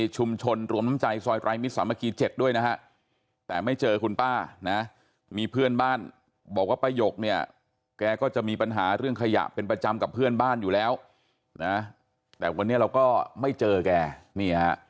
คุยไม่รู้เรื่องก็ช่างมันปล่อยมันเรื่องมัน